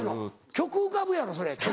曲浮かぶやろそれ曲。